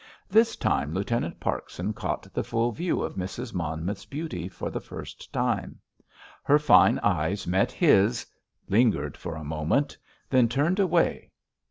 This time Lieutenant Parkson caught the full view of Mrs. Monmouth's beauty for the first time. Her fine eyes met his, lingered for a moment, then turned away.